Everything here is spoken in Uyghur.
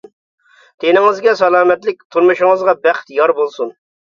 تېنىڭىزگە سالامەتلىك، تۇرمۇشىڭىزغا بەخت يار بولسۇن!